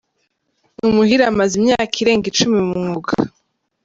Umuhire amaze imyaka irenga icumi mu mwuga.